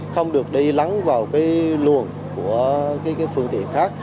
không được đi lắng vào cái luồng của cái phương tiện khác